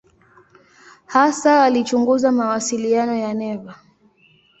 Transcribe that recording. Hasa alichunguza mawasiliano ya neva.